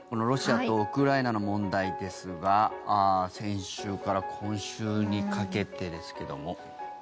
ロシアとウクライナの問題ですが先週から今週にかけてですけども。